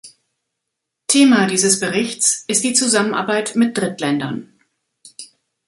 Thema dieses Berichts ist die Zusammenarbeit mit Drittländern.